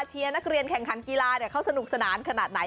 เชียร์นักเรียนแข่งขันกีฬาเขาสนุกสนานขนาดไหน